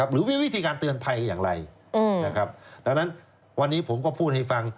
หรือมีวิธีการเตือนภัยอย่างไรนะครับดังนั้นวันนี้ผมก็พูดให้ฟัง